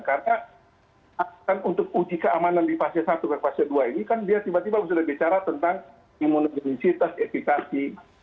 karena untuk uji keamanan di fase satu dan fase dua ini kan dia tiba tiba sudah bicara tentang imunisitas evikasi